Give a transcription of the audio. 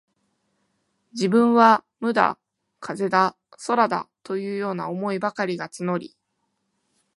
自分は無だ、風だ、空だ、というような思いばかりが募り、